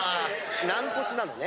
軟骨なのね。